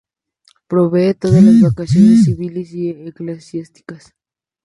Proveer todas las vacantes civiles y eclesiásticas.